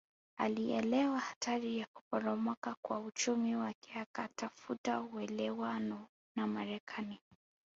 Alielewa hatari ya kuporomoka kwa uchumi wake akatafuta uelewano na Marekani